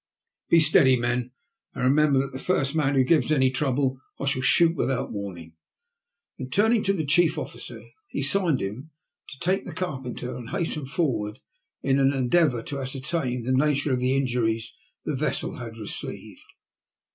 Be steady, men, and remem ber that the first man who gives any trouble I shall shoot without warning." Then, turning to the chief officer, he signed to him to take the carpenter and hasten forrard in an endeavour to ascertain the nature of the injuries the vessel had received.